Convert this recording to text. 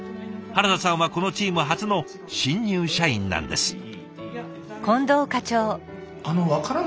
原田さんはこのチーム初の新入社員なんです。